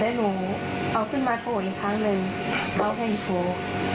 แล้วหนูเอาขึ้นมาโผล่อีกครั้งหนึ่งเขาคงโทร